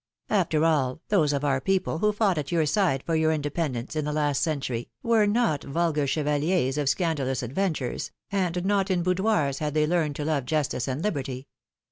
After all, those of our people, who fought at your side for your independence in the last century, were not vulgar chevaliers of scandalous adventures, and not in boudoirs had they learned to love justice and liberty